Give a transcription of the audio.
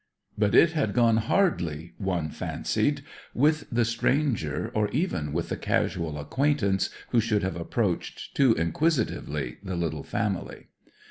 But it had gone hardly one fancied with the stranger, or even with the casual acquaintance, who should have approached too inquisitively the little family.